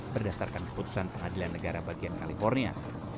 berdasarkan keputusan pengadilan negara bagian california